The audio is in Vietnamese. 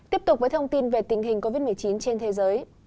tiếp tục với thông tin về tình hình covid một mươi chín trên thế giới